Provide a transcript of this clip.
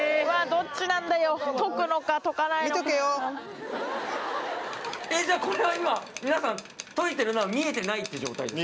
どっちなんだよ溶くのか溶かないのか見とけよえっじゃあこれは今皆さん溶いてるのは見えてないって状態ですか？